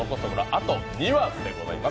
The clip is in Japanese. あと２話でございます。